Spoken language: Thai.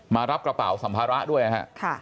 มารับกระเป๋าสัมภาระด้วยนะครับ